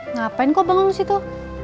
ngapain kok bangun di situ